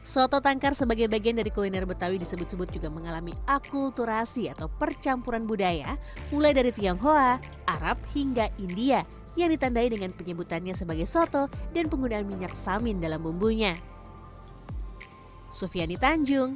soto tangkar sebagai bagian dari kuliner betawi disebut sebut juga mengalami akulturasi atau percampuran budaya mulai dari tionghoa arab hingga india yang ditandai dengan penyebutannya sebagai soto dan penggunaan minyak samin dalam bumbunya